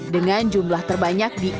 dengan jumlah terbanyak di indonesia